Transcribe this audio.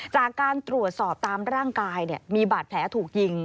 จากการตรวจสอบตามร่างกายมีบาดแผลถูกยิง